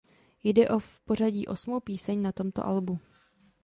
Jde o v pořadí osmou píseň na tomto albu.